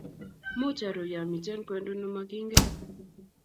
Muuch aru yamiten kwendu nemagingen